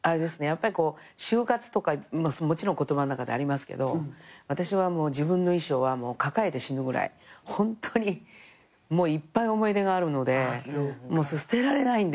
やっぱりこう終活とかもちろん言葉の中でありますけど私は自分の衣装はもう抱えて死ぬぐらいホントにいっぱい思い出があるので捨てられないんですよ。